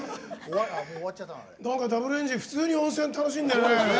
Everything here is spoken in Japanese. Ｗエンジン、普通に温泉楽しんでるね。